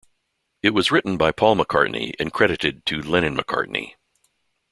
It was written by Paul McCartney and credited to Lennon-McCartney.